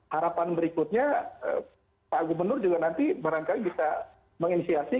harapan berikutnya pak gubernur juga nanti barangkali bisa menginisiasi